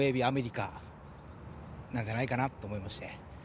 なんじゃないかなと思いまして。